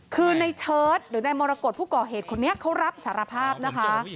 คือในเชิดหรือนายมรกฏผู้ก่อเหตุคนนี้เขารับสารภาพนะคะ